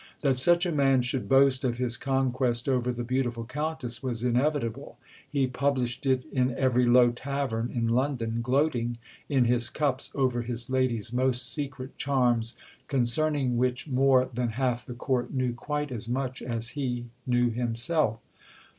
That such a man should boast of his conquest over the beautiful Countess was inevitable. He published it in every low tavern in London, gloating in his cups over "his lady's most secret charms, concerning which more than half the Court knew quite as much as he knew himself."